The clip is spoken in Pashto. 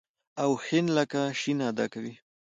او ښ لکه ش ادا کوي.